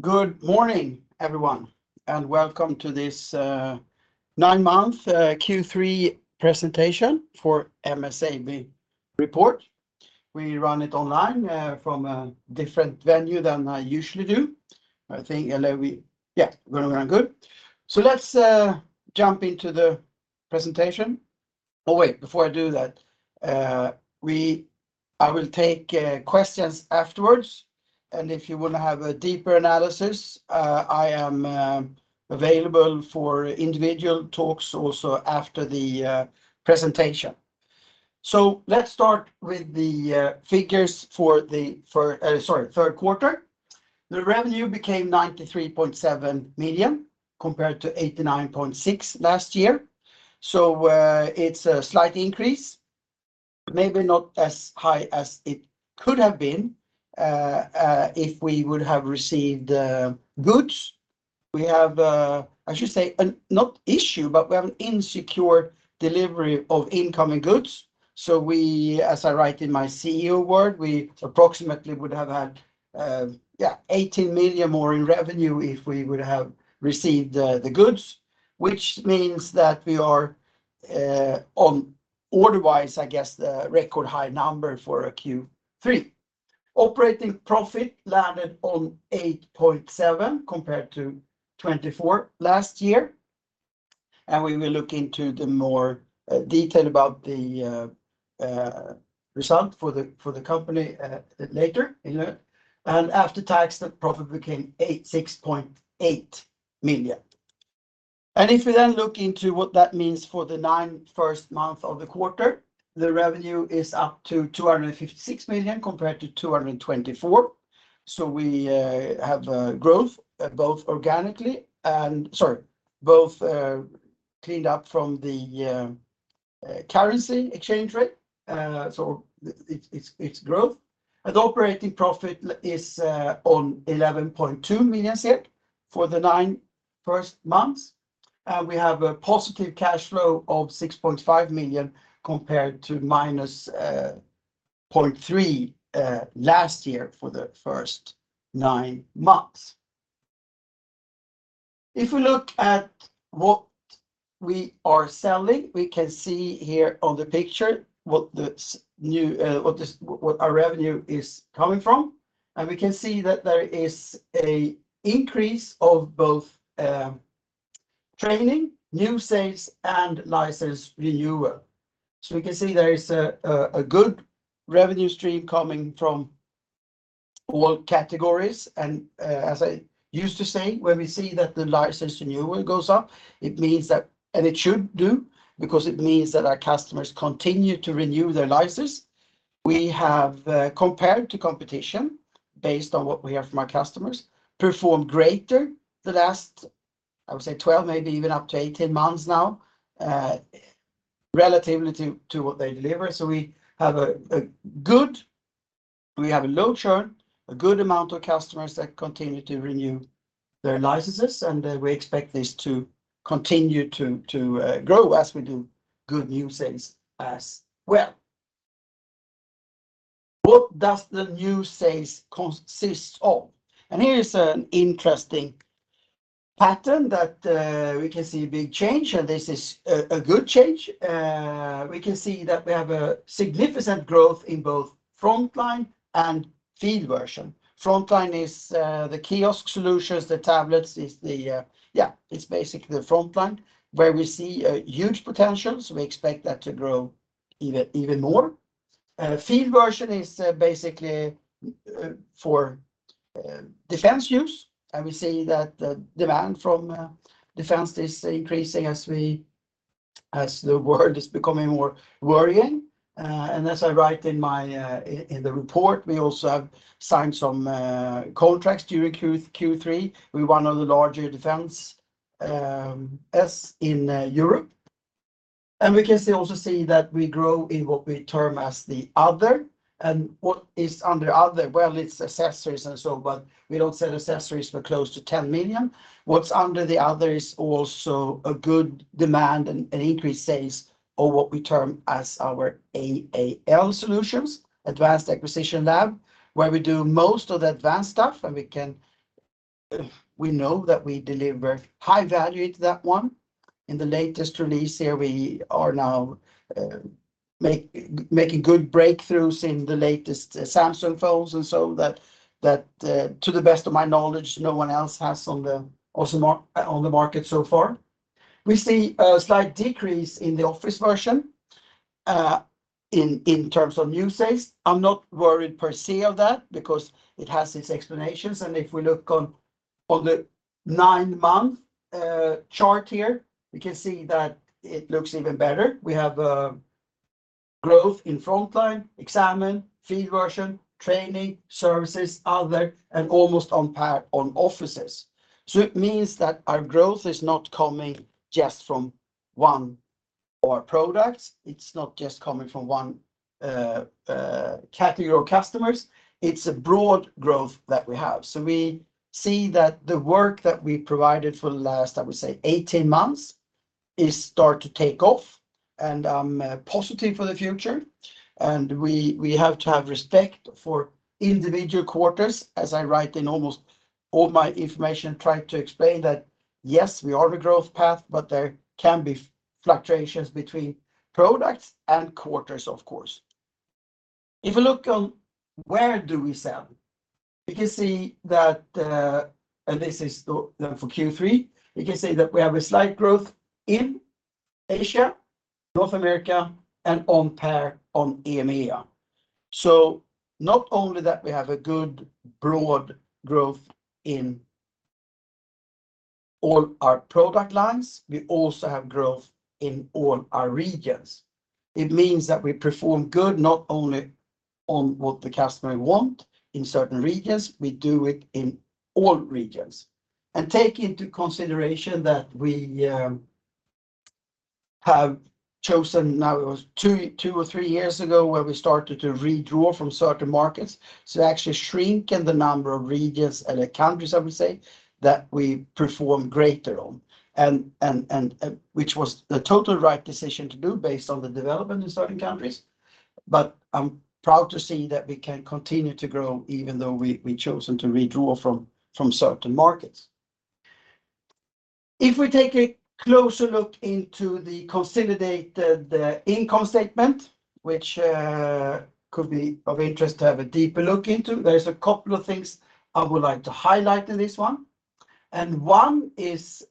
Good morning, everyone, and welcome to this Nine-month Q3 Presentation for MSAB report. We run it online from a different venue than I usually do. Yeah, we're good. Let's jump into the presentation. Oh, wait, before I do that, I will take questions afterwards, and if you wanna have a deeper analysis, I am available for individual talks also after the presentation. Let's start with the figures for the third quarter. The revenue became 93.7 million compared to 89.6 million last year. It's a slight increase, maybe not as high as it could have been, if we would have received the goods. We have, I should say, not an issue, but we have an insecure delivery of incoming goods. We, as I write in my CEO word, we approximately would have had 18 million more in revenue if we would have received the goods, which means that we are on order-wise, I guess the record high number for a Q3. Operating profit landed on 8.7 million compared to 24 million last year, and we will look into the more detail about the result for the company later in it. After tax, that profit became 6.8 million. If we then look into what that means for the first nine months of the year, the revenue is up to 256 million compared to 224 million. We have growth both organically and cleaned up from the currency exchange rate. It's growth. Operating profit is on 11.2 million for the first nine months. We have a positive cash flow of 6.5 million compared to minus 0.3 million last year for the first nine months. If we look at what we are selling, we can see here on the picture what the new, what this, what our revenue is coming from. We can see that there is a increase of both, training, new sales, and license renewal. We can see there is a good revenue stream coming from all categories. As I used to say, when we see that the license renewal goes up, it means that it should do because it means that our customers continue to renew their license. We have, compared to competition based on what we hear from our customers, performed better the last, I would say, 12, maybe even up to 18 months now, relatively to what they deliver. We have a low churn, a good amount of customers that continue to renew their licenses, and we expect this to continue to grow as we do good new sales as well. What does the new sales consist of? Here's an interesting pattern that we can see a big change, and this is a good change. We can see that we have a significant growth in both Frontline and Field version. Frontline is the kiosk solutions, the tablets. It's the Yeah, it's basically the Frontline where we see a huge potential, so we expect that to grow even more. Field version is basically for defense use, and we see that the demand from defense is increasing as the world is becoming more worrying. As I write in the report, we also have signed some contracts during Q3 with one of the larger defense sectors in Europe. We can see that we grow in what we term as the other. What is under other? Well, it's accessories and so, but we don't sell accessories for close to 10 million. What's under the other is also a good demand and an increased sales of what we term as our AAL solutions, Advanced Acquisition Lab, where we do most of the advanced stuff, and we know that we deliver high value to that one. In the latest release here, we are now making good breakthroughs in the latest Samsung phones and so that, to the best of my knowledge, no one else has on the market so far. We see a slight decrease in the Office version, in terms of new sales. I'm not worried per se of that because it has its explanations. If we look on the nine-month chart here, we can see that it looks even better. We have growth in Frontline, XAMN, Field version, Training, Services, Other, and almost on par on Offices. It means that our growth is not coming just from one of our products. It's not just coming from one category of customers. It's a broad growth that we have. We see that the work that we provided for the last, I would say 18 months is starting to take off, and I'm positive for the future. We have to have respect for individual quarters, as I write in almost all my information trying to explain that, yes, we are on a growth path, but there can be fluctuations between products and quarters, of course. If you look on where do we sell, you can see that. This is then for Q3. You can see that we have a slight growth in Asia, North America, and on par on EMEA. Not only that we have a good broad growth in all our product lines, we also have growth in all our regions. It means that we perform good not only on what the customer want in certain regions, we do it in all regions. Take into consideration that we have chosen now, it was two or three years ago, where we started to redraw from certain markets, so actually shrinking the number of regions and the countries, I would say, that we perform greater on, which was the total right decision to do based on the development in certain countries. I'm proud to see that we can continue to grow even though we've chosen to redraw from certain markets. If we take a closer look into the consolidated income statement, which could be of interest to have a deeper look into, there's a couple of things I would like to highlight in this one, and one is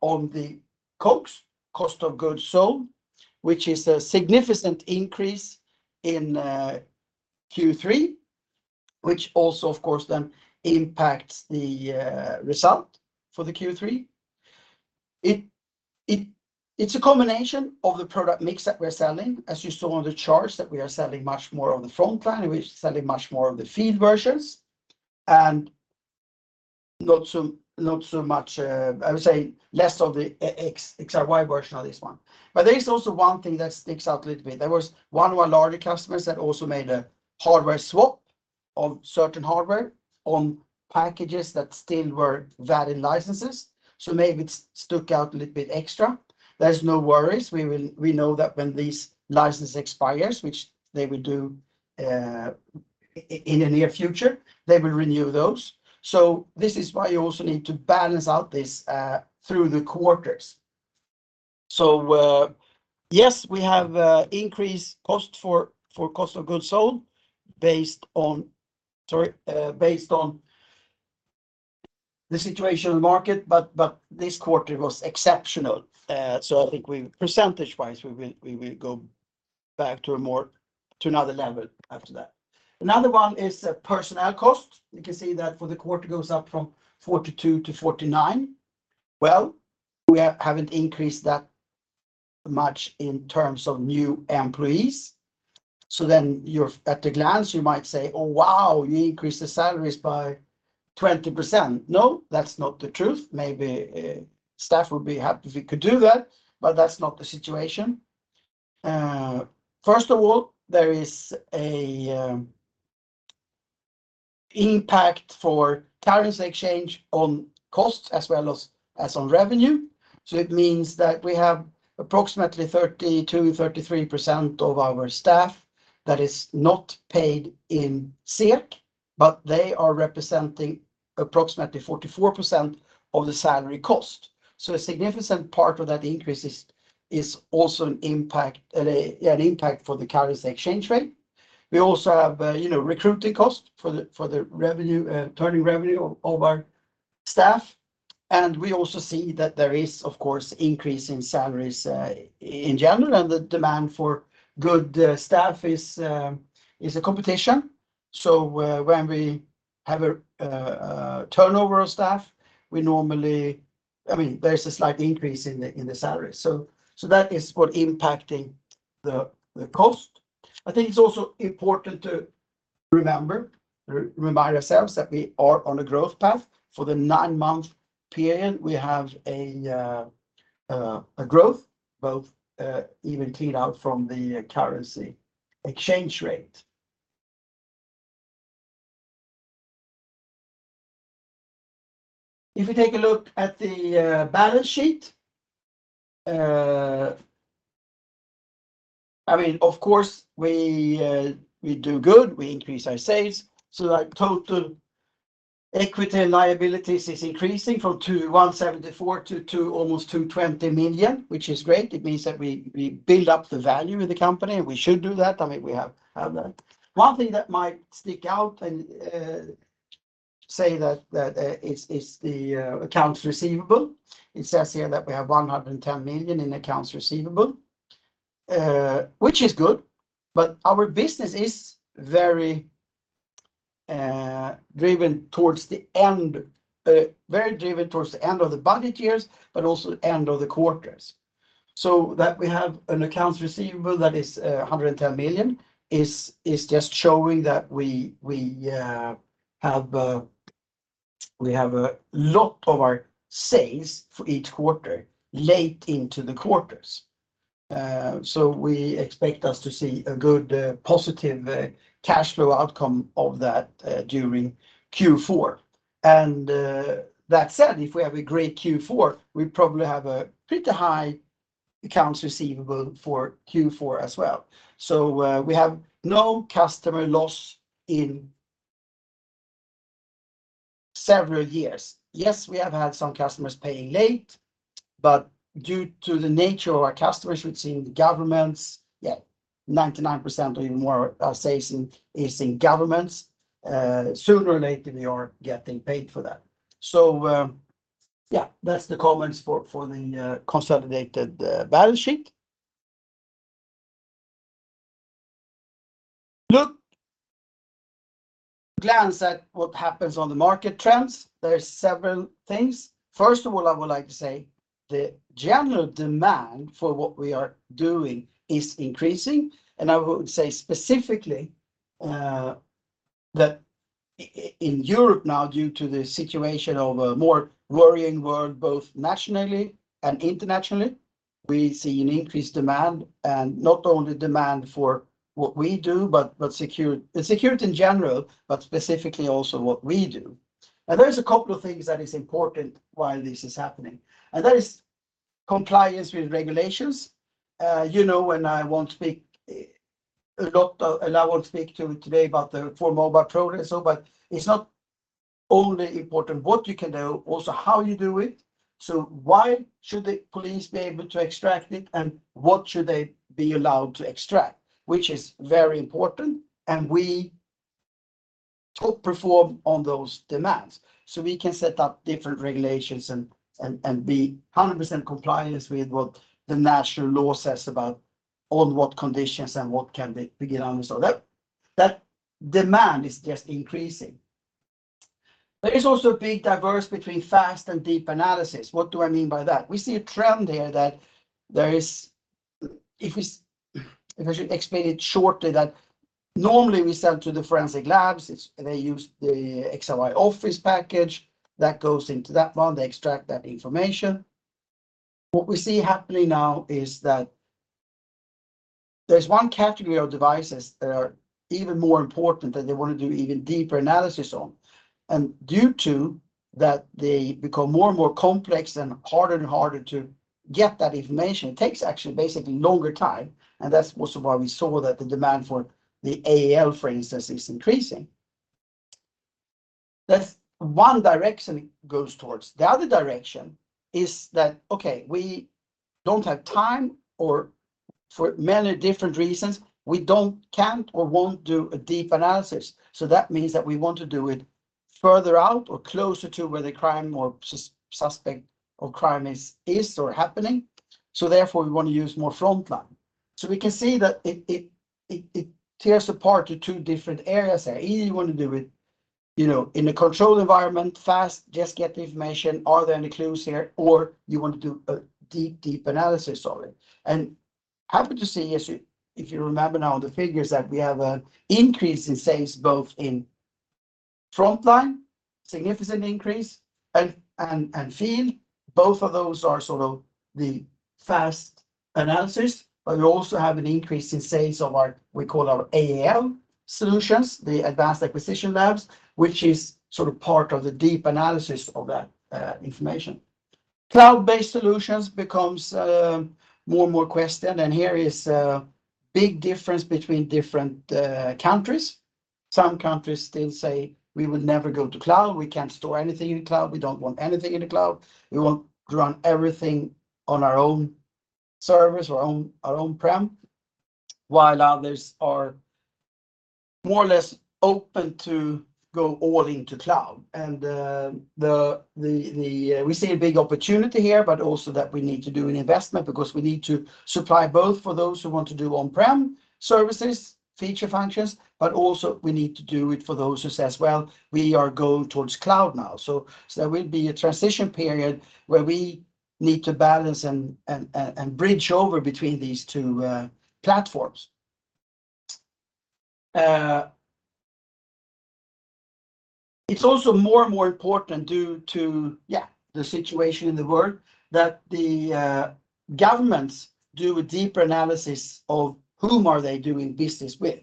on the COGS, cost of goods sold, which is a significant increase in Q3, which also, of course, then impacts the result for the Q3. It's a combination of the product mix that we're selling, as you saw on the charts, that we are selling much more of the Frontline and we're selling much more of the Field versions and not so much, I would say less of the XRY version of this one. There is also one thing that sticks out a little bit. There was one of our larger customers that also made a hardware swap of certain hardware on packages that still were valid licenses, so maybe it stuck out a little bit extra. There's no worries. We know that when this license expires, which they will do, in the near future, they will renew those. This is why you also need to balance out this through the quarters. Yes, we have increased cost for cost of goods sold based on the situation in the market, but this quarter was exceptional. I think, percentage-wise, we will go back to a more to another level after that. Another one is personnel cost. You can see that for the quarter, it goes up from 42 to 49. Well, we haven't increased that much in terms of new employees. You're at a glance, you might say, "Oh, wow, you increased the salaries by 20%." No, that's not the truth. Maybe staff would be happy if we could do that, but that's not the situation. First of all, there is a impact for currency exchange on costs as well as on revenue, so it means that we have approximately 32%-33% of our staff that is not paid in SEK, but they are representing approximately 44% of the salary cost. A significant part of that increase is also an impact for the currency exchange rate. We also have, you know, recruiting cost for the turnover of our staff, and we also see that there is, of course, increase in salaries in general, and the demand for good staff is a competition. When we have a turnover of staff, we normally, I mean, there's a slight increase in the salary. That is what impacting the cost. I think it's also important to remind ourselves that we are on a growth path. For the nine-month period, we have a growth, both even cleaned out from the currency exchange rate. If you take a look at the balance sheet, I mean, of course we do good. We increase our sales, so that total equity and liabilities is increasing from 217.4 million to almost 220 million, which is great. It means that we build up the value of the company, and we should do that. I mean, we have had that. One thing that might stick out and say that it's the accounts receivable. It says here that we have 110 million in accounts receivable, which is good, but our business is very driven towards the end of the budget years but also end of the quarters. That we have an accounts receivable that is 110 million is just showing that we have a lot of our sales for each quarter late into the quarters. We expect us to see a good positive cash flow outcome of that during Q4. That said, if we have a great Q4, we probably have a pretty high accounts receivable for Q4 as well. We have no customer loss in several years. Yes, we have had some customers paying late, but due to the nature of our customers, which seem governments, 99% or even more say is in governments. Sooner or later we are getting paid for that. That's the comments for the consolidated balance sheet. Look, glance at what happens on the market trends. There's several things. First of all, I would like to say the general demand for what we are doing is increasing, and I would say specifically, that in Europe now, due to the situation of a more worrying world, both nationally and internationally, we see an increased demand, and not only demand for what we do, but security in general, but specifically also what we do. There's a couple of things that is important while this is happening, and that is compliance with regulations. You know, and I won't speak a lot, and I won't speak to today about the FORMOBILE program. But it's not only important what you can do, also how you do it. Why should the police be able to extract it, and what should they be allowed to extract? Which is very important, and we top perform on those demands, so we can set up different regulations and be 100% compliance with what the national law says about on what conditions and what can they begin on. That demand is just increasing. There is also a big difference between fast and deep analysis. What do I mean by that? We see a trend here that if I should explain it shortly, normally we sell to the forensic labs. They use the XRY Office package that goes into that one. They extract that information. What we see happening now is that there's one category of devices that are even more important that they wanna do even deeper analysis on. Due to that, they become more and more complex and harder and harder to get that information. It takes actually basically longer time, and that's also why we saw that the demand for the AAL, for instance, is increasing. That's one direction it goes towards. The other direction is that, okay, we don't have time or for many different reasons, we don't, can't, or won't do a deep analysis. That means that we want to do it further out or closer to where the crime or suspect or crime is or happening. Therefore we wanna use more Frontline. We can see that it tears apart to two different areas there. Either you wanna do it, you know, in a controlled environment fast, just get the information, are there any clues here? or you want to do a deep, deep analysis of it. Happy to see, as you, if you remember now the figures that we have a increase in sales both in Frontline, significant increase, and Field, both of those are sort of the fast analysis. We also have an increase in sales of our, we call our AAL solutions, the Advanced Acquisition Labs, which is sort of part of the deep analysis of that information. Cloud-based solutions becomes more and more questioned, and here is a big difference between different countries. Some countries still say, "We will never go to cloud. We can't store anything in the cloud. We don't want anything in the cloud. We want to run everything on our own servers or our on-prem." While others are more or less open to go all into cloud. We see a big opportunity here, but also that we need to do an investment because we need to supply both for those who want to do on-prem services, feature functions, but also we need to do it for those who says, "Well, we are going towards cloud now." There will be a transition period where we need to balance and bridge over between these two platforms. It's also more and more important due to the situation in the world that the governments do a deeper analysis of whom are they doing business with.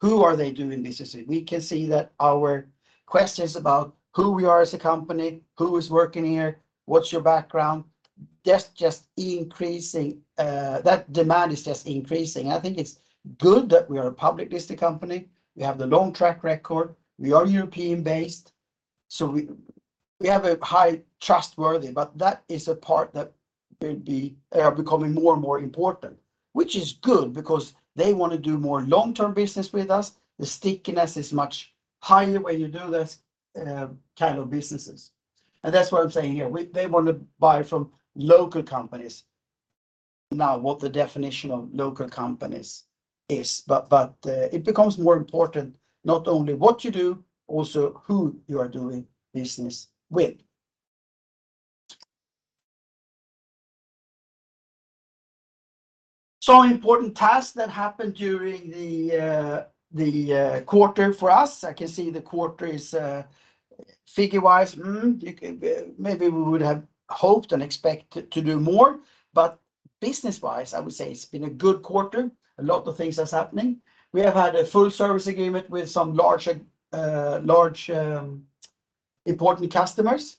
Who are they doing business with? We can see that our questions about who we are as a company, who is working here, what's your background, that's just increasing, that demand is just increasing. I think it's good that we are a publicly listed company. We have the long track record. We are European-based, so we have a high trustworthiness, but that is a part that will be becoming more and more important, which is good because they wanna do more long-term business with us. The stickiness is much higher when you do this kind of businesses. That's what I'm saying here. They wanna buy from local companies. Now, what the definition of local companies is, but it becomes more important not only what you do, also who you are doing business with. Some important tasks that happened during the quarter for us. I can see the quarter is figure-wise, maybe we would have hoped and expected to do more. Business-wise, I would say it's been a good quarter. A lot of things is happening. We have had a full service agreement with some large, important customers.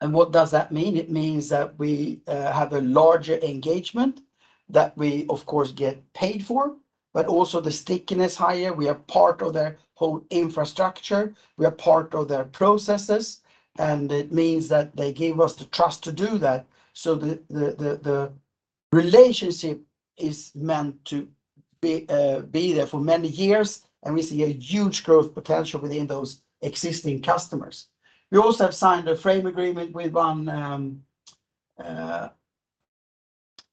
What does that mean? It means that we have a larger engagement that we, of course, get paid for, but also the stickiness higher. We are part of their whole infrastructure. We are part of their processes, and it means that they gave us the trust to do that. The relationship is meant to be there for many years, and we see a huge growth potential within those existing customers. We also have signed a frame agreement with one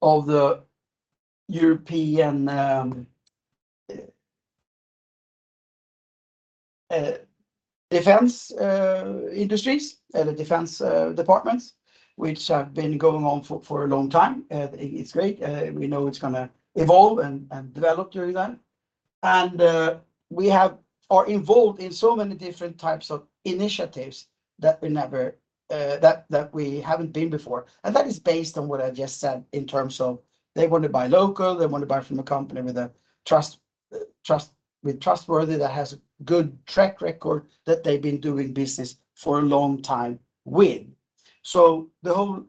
of the European defense industries and the defense departments which have been going on for a long time. It's great. We know it's gonna evolve and develop during then. We are involved in so many different types of initiatives that we haven't been before. That is based on what I just said in terms of they wanna buy local. They wanna buy from a company with trustworthy that has a good track record that they've been doing business for a long time with. The whole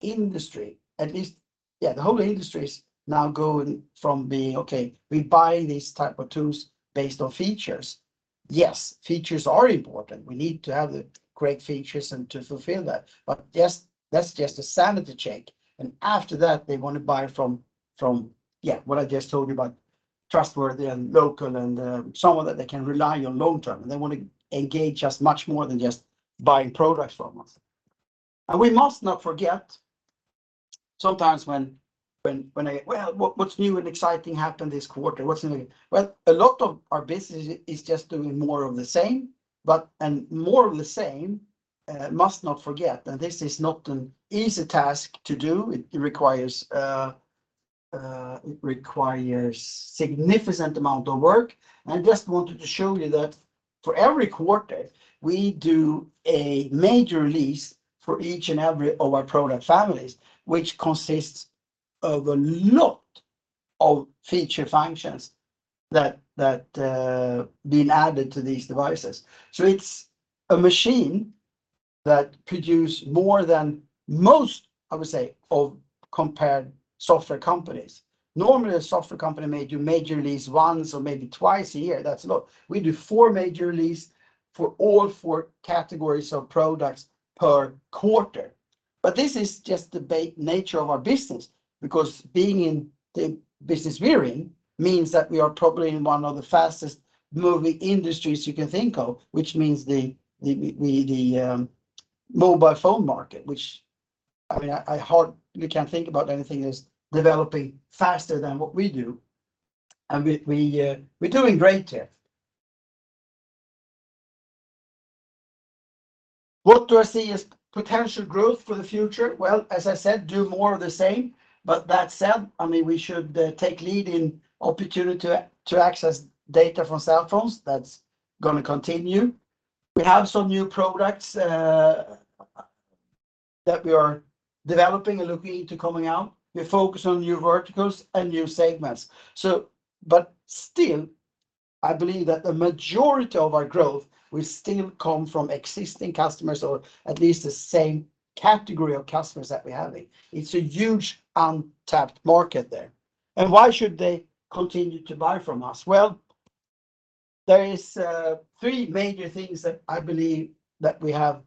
industry, at least. Yeah, the whole industry is now going from being, "Okay, we buy these type of tools based on features." Yes, features are important. We need to have the great features and to fulfill that. Yes, that's just a sanity check, and after that they wanna buy from yeah, what I just told you about trustworthy and local and someone that they can rely on long-term, and they wanna engage us much more than just buying products from us. We must not forget sometimes when "Well, what's new and exciting happened this quarter? What's new?" Well, a lot of our business is just doing more of the same, and more of the same must not forget that this is not an easy task to do. It requires significant amount of work. I just wanted to show you that for every quarter, we do a major release for each and every of our product families which consists of a lot of feature functions that been added to these devices. It's a machine that produce more than most, I would say, compared to software companies. Normally, a software company may do major release once or maybe twice a year. That's a lot. We do four major release for all four categories of products per quarter. This is just the nature of our business because being in the business we're in means that we are probably in one of the fastest-moving industries you can think of, which means the mobile phone market, which I mean you can't think about anything that's developing faster than what we do. We're doing great here. What do I see as potential growth for the future? Well, as I said, do more of the same. That said, I mean, we should take lead in opportunity to access data from cell phones. That's gonna continue. We have some new products that we are developing and looking into coming out. We focus on new verticals and new segments. But still, I believe that the majority of our growth will still come from existing customers or at least the same category of customers that we're having. It's a huge untapped market there. Why should they continue to buy from us? Well, there is three major things that I believe that we have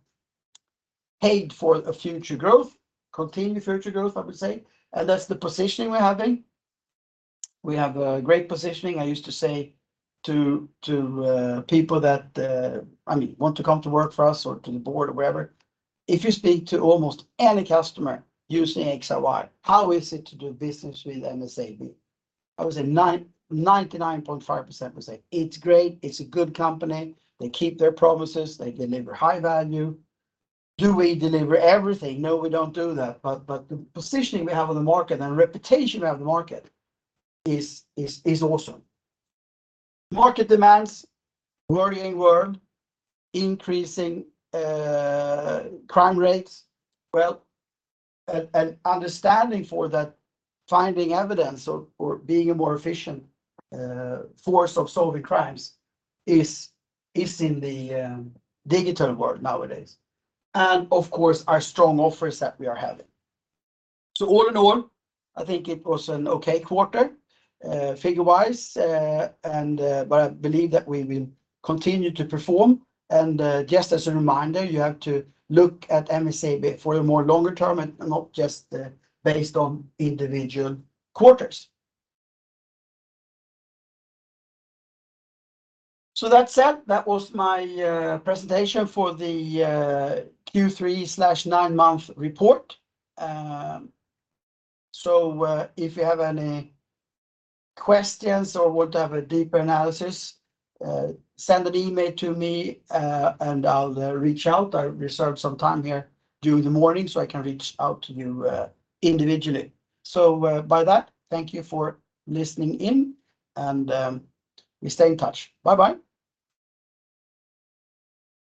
paved for the future growth, continued future growth, I would say, and that's the positioning we're having. We have a great positioning. I used to say to people that, I mean, want to come to work for us or to the board or wherever, "If you speak to almost any customer using XRY, how is it to do business with MSAB?" I would say 99.5% will say, "It's great. It's a good company. They keep their promises. They deliver high value." Do we deliver everything? No, we don't do that. The positioning we have on the market and reputation we have on the market is awesome. Market demands, worrying world, increasing crime rates. Well, an understanding for that, finding evidence or being a more efficient force of solving crimes is in the digital world nowadays. Of course, our strong offers that we are having. All in all, I think it was an okay quarter, figure-wise. I believe that we will continue to perform. Just as a reminder, you have to look at MSAB for a more longer term and not just based on individual quarters. That said, that was my presentation for the Q3 nine-month report. If you have any questions or would have a deeper analysis, send an email to me, and I'll reach out. I reserved some time here during the morning, so I can reach out to you individually. By that, thank you for listening in, and we stay in touch. Bye-bye.